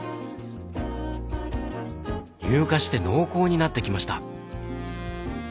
乳化して濃厚になってきました。